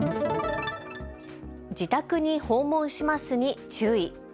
自宅に訪問しますに注意。